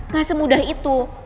ga semudah itu